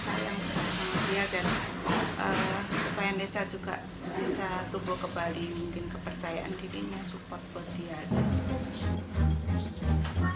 supaya vanessa juga bisa tumbuh kembali mungkin kepercayaan dirinya support buat dia aja